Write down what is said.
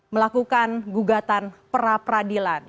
melakukan gugatan pra pradilan